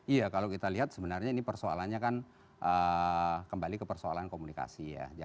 iya kalau kita lihat sebenarnya ini persoalannya kan kembali ke persoalan komunikasi ya